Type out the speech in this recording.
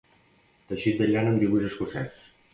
Teixit de llana amb dibuix escocès.